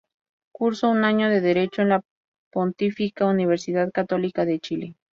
Curso un año de Derecho en la Pontificia Universidad Católica de Chile.